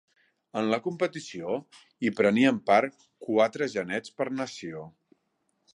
En la competició hi prenien part quatre genets per nació.